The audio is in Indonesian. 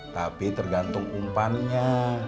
tapi tergantung umpannya